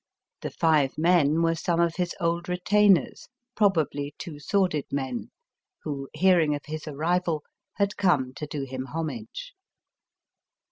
The five men were some of his old retainers, probably two sworded men, who, hearing of his arrival, had come to do him homage.